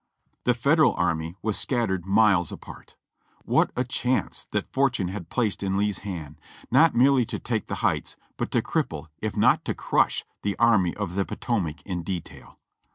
The Federal army was scattered miles apart ; what a chance that fortune had placed in Lee's hand, not merely to take the Heights, but to cripple, if not to crush, the Army of the Potomac in detail.